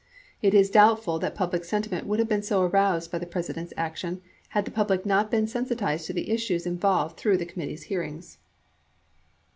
It is doubtful that public sentiment would have been so aroused by the President's action had the public not been sensitized to the issues involved through the committee's hearings.